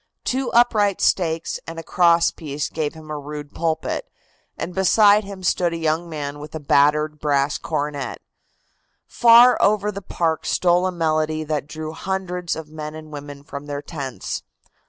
Two upright stakes and a cross piece gave him a rude pulpit, and beside him stood a young man with a battered brass cornet. Far over the park stole a melody that drew hundreds of men and women from their tents.